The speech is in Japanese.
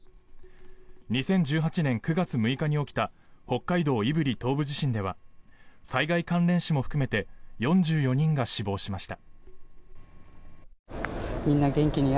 ２０１８年９月６日に起きた北海道胆振東部地震では災害関連死も含めて４４人が死亡しました。